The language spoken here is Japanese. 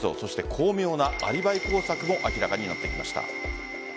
巧妙なアリバイ工作も明らかになってきました。